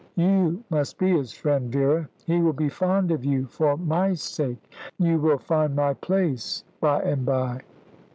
You must be his friend, Vera. He will be fond of you for my sake. You will find my place by and by."